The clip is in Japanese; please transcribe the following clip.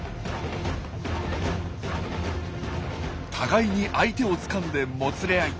互いに相手をつかんでもつれ合い。